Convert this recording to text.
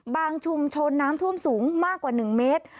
ชุมชนน้ำท่วมสูงมากกว่า๑เมตร